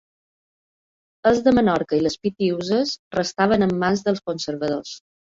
Els de Menorca i les Pitiüses restaven en mans dels conservadors.